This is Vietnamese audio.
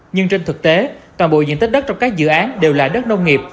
nhưng trên thực tế toàn bộ diện tích đất trong các dự án đều là đất nông nghiệp